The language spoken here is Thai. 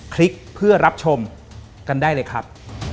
คลิกเพื่อรับชมกันได้เลยครับ